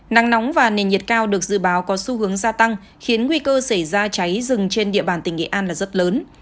nắng nóng và nền nhiệt cao được dự báo có xu hướng gia tăng khiến nguy cơ xảy ra cháy rừng trên địa bàn tỉnh nghệ an là rất lớn